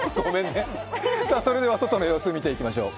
それでは外の様子を見ていきましょう。